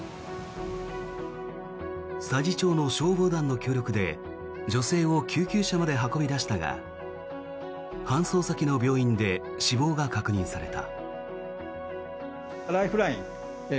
佐治町の消防団の協力で女性を救急車まで運び出したが搬送先の病院で死亡が確認された。